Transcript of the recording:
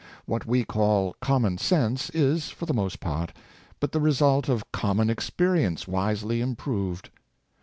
What we call common sense is, for the most part, but the result of common experience v/isely improved.